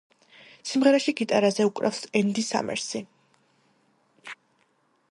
სიმღერაში გიტარაზე უკრავს ენდი სამერსი.